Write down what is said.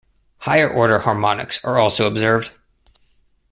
Higher order harmonics are also observed.